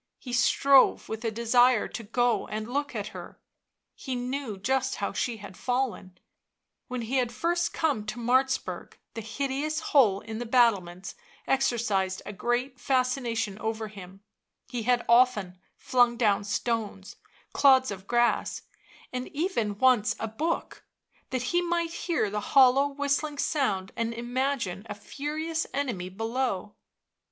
He strove with a desire to go and look at her; he knew just how she had fallen ... when he had first come to Martzburg, the hideous hole in the battlements exercised a great fascination over him; he had often flung down stones, clods of grass, even once a book, that he might hear the hollow whistling sound and imagine a furious enemy below.